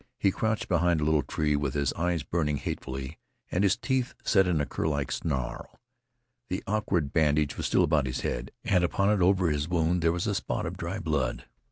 He crouched behind a little tree, with his eyes burning hatefully and his teeth set in a curlike snarl. The awkward bandage was still about his head, and upon it, over his wound, there was a spot of dry blood.